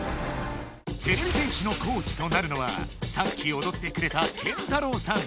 てれび戦士のコーチとなるのはさっきおどってくれたＫＥＮＴＡＲＡＷさん！